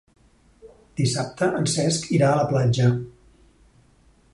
Dissabte en Cesc irà a la platja.